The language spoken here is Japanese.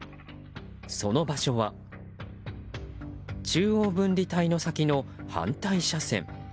その場所は中央分離帯の先の反対車線。